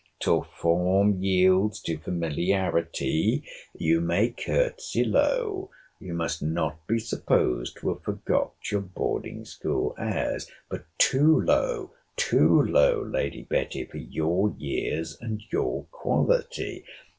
Till form yields to familiarity, you may courtesy low. You must not be supposed to have forgot your boarding school airs. But too low, too low Lady Betty, for your years and your quality.